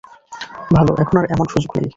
ভালো, এখন আর এমন সুযোগ নেই।